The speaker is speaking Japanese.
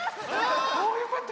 あよかった！